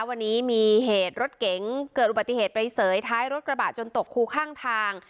วันนี้มีเหตุรถเก๋งเกิดอุบัติเหตุไปเสยท้ายรถกระบะจนตกคูข้างทาง